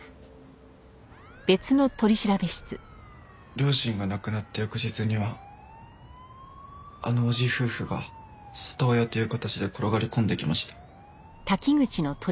両親が亡くなった翌日にはあの叔父夫婦が里親という形で転がり込んできました。